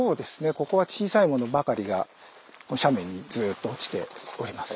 ここは小さいものばかりが斜面にずっと落ちております。